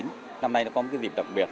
năm nay có một dịp đặc biệt